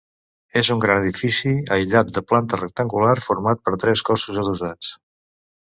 És un gran edifici aïllat de planta rectangular, format per tres cossos adossats.